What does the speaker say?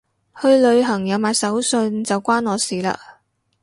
去旅行有買手信就關我事嘞